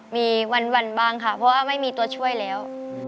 มีวันบ้างค่ะเพราะว่าไม่มีตัวช่วยแล้ว